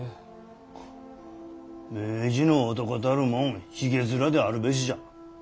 明治の男たるもんひげ面であるべしじゃ。